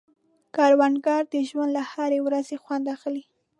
کروندګر د ژوند له هرې ورځې خوند اخلي